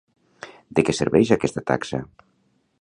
De què serveix aquesta taxa?